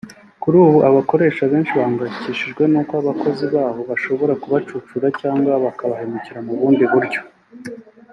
Kuri ubu abakoresha benshi bahangayikishijwe n’uko abakozi babo bashobora kubacucura cyangwa kubahemukira mu bundi buryo